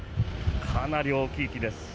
かなり大きい木です。